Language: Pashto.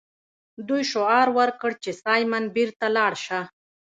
دوی شعار ورکړ چې سایمن بیرته لاړ شه.